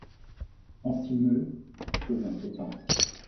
On s’y meut, chose inquiétante.